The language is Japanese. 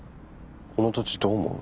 この土地どう思う？